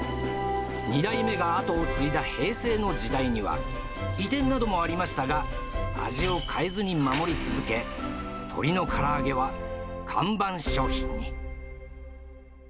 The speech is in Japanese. ２代目が後を継いだ平成の時代には、移転などもありましたが、味を変えずに守り続け、鶏のから揚げは看板商品に。